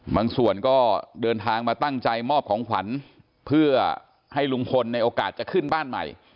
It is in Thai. บางส่วนก็เดินทางมาตั้งใจมอบของขวัญเพื่อให้ลุงพลในโอกาสจะขึ้นบ้านใหม่